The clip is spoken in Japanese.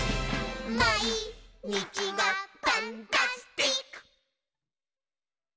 「まいにちがパンタスティック！」